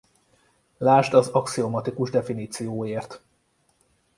Lásd az axiomatikus definícióért.